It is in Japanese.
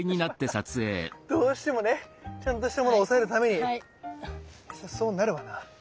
どうしてもねちゃんとしたものを押さえるためにそりゃそうなるわな。